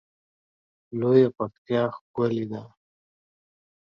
لویه پکتیا ښکلی ده